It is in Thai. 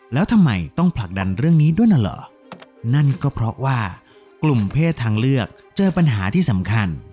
แล้วทำไมต้องผลักดันเรื่องนี้ด้วยนั่นเหรอนั่นก็เพราะว่ากลุ่มเพศทางเลือกเจอปัญหาที่สำคัญ